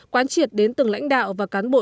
quán triệt đến từng lãnh đạo và cán bộ